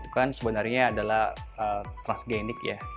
itu kan sebenarnya adalah transgenik ya